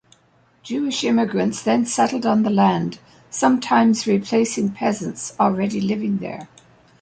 Jewish immigrants then settled on the land, sometimes replacing peasants already living there.